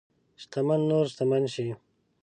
شتمن نور شتمن شي.